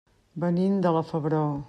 Venim de la Febró.